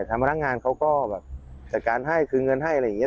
ทำร่างงานเขาก็แบบจัดการให้คือเงินให้อะไรอย่างเงี้ย